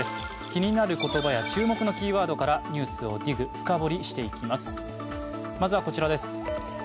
気になる言葉や注目のキーワードからニュースをＤＩＧ、深掘りしていきます。